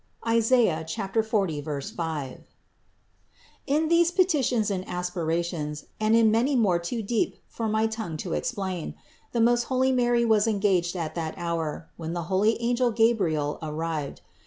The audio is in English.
(Is. 40, 5). 118. In these petitions and aspirations, and in many more too deep for my tongue to explain, the most holy Mary was engaged at the hour, when the holy angel Gabriel arrived.